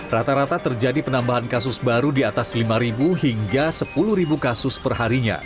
rata rata terjadi penambahan kasus baru di atas lima hingga sepuluh kasus perharinya